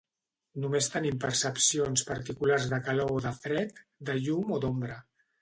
Només tenim percepcions particulars de calor o de fred, de llum o d'ombra.